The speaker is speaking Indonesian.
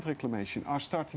dari mana uang yang akan datang